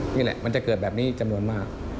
นี่แหละมันจะเกิดแบบนี้จำนวนมาก